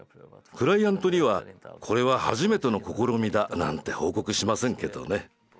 クライアントには「これは初めての試みだ」なんて報告しませんけどね。